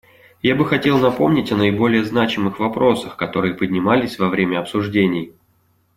Я бы хотел напомнить о наиболее значимых вопросах, которые поднимались во время обсуждений.